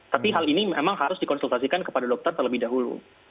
tapi hal ini memang harus dikonsultasikan kepada dokter terlebih dahulu